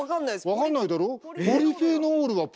分かんないだろ？